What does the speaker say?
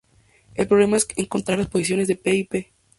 El problema es encontrar las posiciones de "P" y "P".